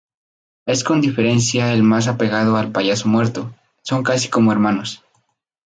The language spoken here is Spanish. Es con diferencia el más apegado al payaso muerto, son casi como hermanos.